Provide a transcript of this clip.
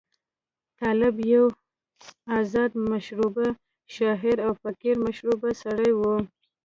طالب یو آزاد مشربه شاعر او فقیر مشربه سړی وو.